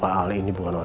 aku yakin banget mas